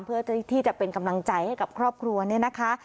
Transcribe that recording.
เพื่อที่จะเป็นกำลังใจให้กับครอบครัวเนี่ยนะคะ